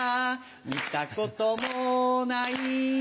見たこともない